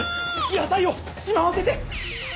野さいをしまわせて！